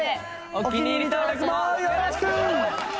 お気に入り登録もよろしく！